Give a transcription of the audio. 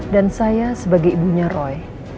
dan saya sebagai ibunya roy